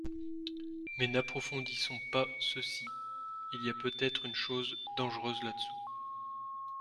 Mais n’approfondissons pas ceci ; il y a peut-être une chose dangereuse là-dessous.